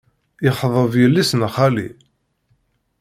Yexḍeb yelli-s n xali.